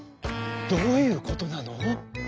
「どういうことなの？